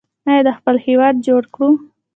آیا خپل هیواد جوړ کړو؟